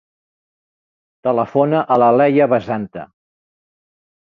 Telefona a la Leia Basanta.